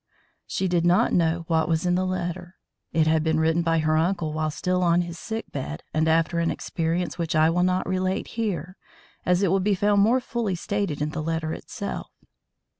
She did not know what was in the letter. It had been written by her uncle while still on his sick bed and after an experience which I will not relate here, as it will be found more fully stated in the letter itself.